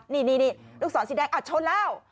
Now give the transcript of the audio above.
นี่ลูกศรสีแดงชนแล้ว